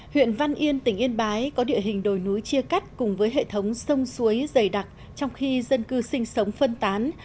huyện văn yên tỉnh yên bái có địa hình đồi núi chia cắt cùng với hệ thống sông suối dày đặc trong khi dân cư sinh sống phân tán